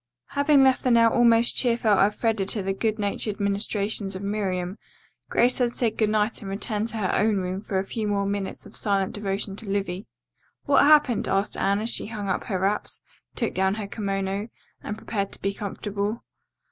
Having left the now almost cheerful Elfreda to the good natured ministrations of Miriam, Grace had said good night and returned to her own room for a few more minutes of silent devotion to Livy. "What happened?" asked Anne as she hung up her wraps, took down her kimono, and prepared to be comfortable.